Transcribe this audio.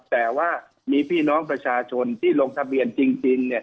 แต่ว่ามีพี่น้องประชาชนที่ลงทะเบียนจริง